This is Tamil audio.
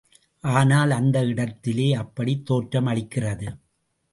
ஆனால் அந்த இடத்திலே அப்படித் தோற்றமளிக்கிறது.